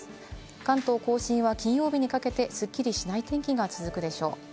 関東甲信は金曜日にかけてスッキリしない天気が続くでしょう。